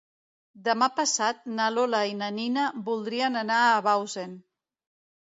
Demà passat na Lola i na Nina voldrien anar a Bausen.